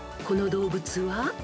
［この動物は？］